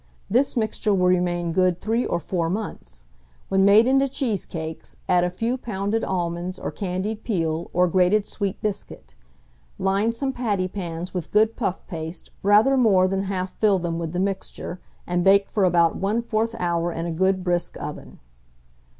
This mixture will remain good 3 or 4 months. When made into cheesecakes, add a few pounded almonds, or candied peel, or grated sweet biscuit; line some patty pans with good puff paste, rather more than half fill them with the mixture, and bake for about 1/4 hour in a good brisk oven.